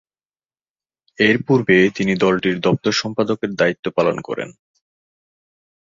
এরপূর্বে তিনি দলটির দপ্তর সম্পাদকের দায়িত্ব পালন করেন।